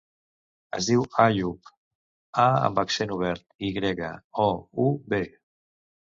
Es diu Àyoub: a amb accent obert, i grega, o, u, be.